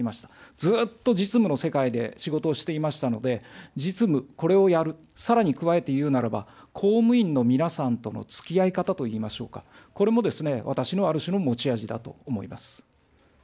ずっと実務の世界で仕事をしていましたので、実務、これをやる、さらに加えて言うならば、公務員の皆さんとのつきあい方といいましょうか、これも私のある種の持ち味だと思います。